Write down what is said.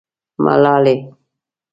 _ملالۍ.